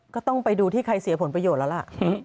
ก็ต้องไปดูที่ใครเสียผลประโยชน์แล้วล่ะ